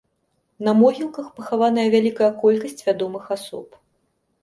На могілках пахаваная вялікая колькасць вядомых асоб.